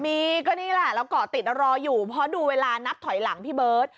มีก็นี่แหละเราเกาะติดเรารออยู่เพราะดูเวลานับถอยหลังพี่เบิร์ต